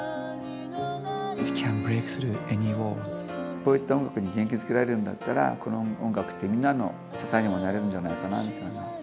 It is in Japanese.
こういった音楽に元気づけられるんだったら、この音楽ってみんなの支えにもなれるんじゃないかな。